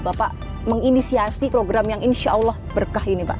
bapak menginisiasi program yang insya allah berkah ini pak